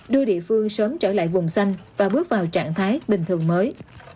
đưa địa phương sớm trở lại vùng xanh và bước vào trạng thái bình thường mới